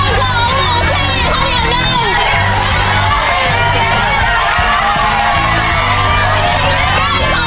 ใกล้สองหมูสี่เขาเดี๋ยวหนึ่ง